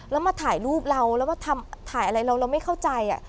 แล้วมาถ่ายรูปเราแล้วมาถ่ายอะไรเราเราไม่เข้าใจ